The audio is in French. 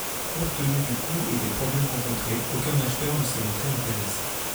Compte tenu du coût et des problèmes rencontrés, aucun acheteur ne s'est montré intéressé.